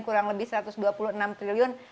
kurang lebih satu ratus dua puluh enam triliun